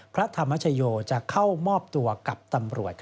พระธรรมชโยจะเข้ามอบตัวกับตำรวจ